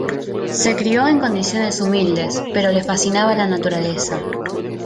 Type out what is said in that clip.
Se crio en condiciones humildes, pero le fascinaba la naturaleza.